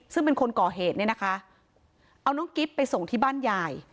ซึ่งเป็นคนก่อเหตุเนี่ยนะคะเอาน้องกิ๊บไปส่งที่บ้านยาย